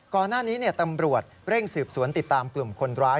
ก่อนหน้านี้ตำรวจเร่งสืบสวนติดตามกลุ่มคนร้าย